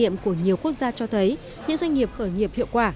nền kinh tế của nhiều quốc gia cho thấy những doanh nghiệp khởi nghiệp hiệu quả